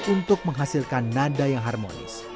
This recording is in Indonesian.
untuk menghasilkan nada yang harmonis